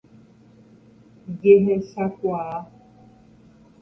Jehechakuaa.